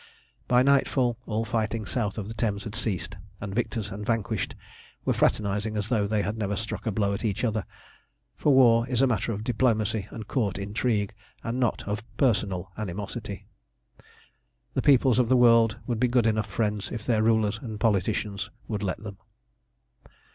By nightfall all fighting south of the Thames had ceased, and victors and vanquished were fraternising as though they had never struck a blow at each other, for war is a matter of diplomacy and Court intrigue, and not of personal animosity. The peoples of the world would be good enough friends if their rulers and politicians would let them.